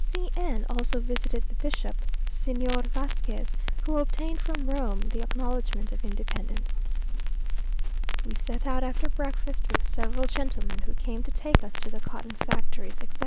C n also visited the bishop, Señor Vasques, who obtained from Rome the acknowledgment of independence. We set out after breakfast with several gentlemen, who came to take us to the cotton factories, etc.